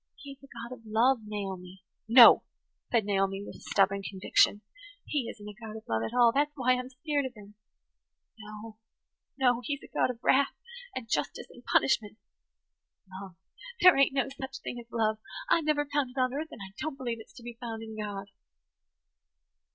He is a God of love, Naomi." "No," said Naomi with stubborn conviction. "He isn't a God of love at all. That's why I'm skeered of him. No, no. He's a God of wrath and justice and punishment. Love! There ain't no such thing as love! I've never found it on earth, and I don't believe it's to be found in God."